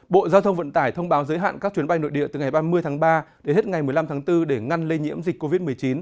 bộ giao thông vận tải thông báo giới hạn các chuyến bay nội địa từ ngày ba mươi tháng ba đến hết ngày một mươi năm tháng bốn để ngăn lây nhiễm dịch covid một mươi chín